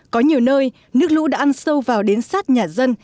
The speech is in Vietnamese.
có nhiều nơi nước lũ đã ăn sâu vào đến sát nhà dân